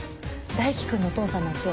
大樹君のお父さんなんて